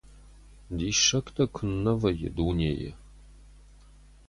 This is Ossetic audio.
Диссӕгтӕ куыннӕ вӕййы дунейы.